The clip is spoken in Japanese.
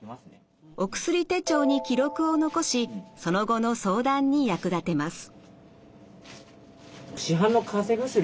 お薬手帳に記録を残しその後の相談に役立てます。